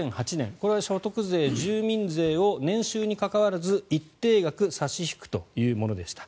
これは所得税、住民税を年収に関わらず一定額差し引くというものでした。